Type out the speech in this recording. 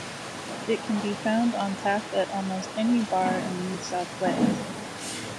It can be found on tap at almost any bar in New South Wales.